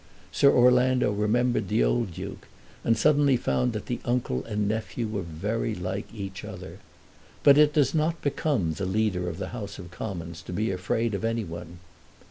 Sir Orlando remembered the old Duke, and suddenly found that the uncle and nephew were very like each other. But it does not become the Leader of the House of Commons to be afraid of any one.